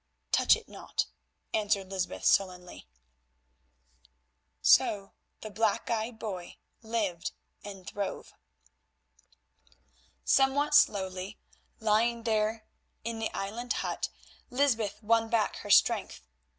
Touch it not," answered Lysbeth sullenly. So the black eyed boy lived and throve. Somewhat slowly, lying there in the island hut, Lysbeth won back her strength.